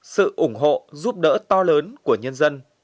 sự ủng hộ giúp đỡ to lớn của nhân dân